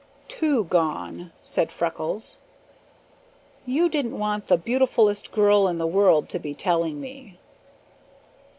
"Two gone," said Freckles. "You didn't want the beautifulest girl in the world to be telling me.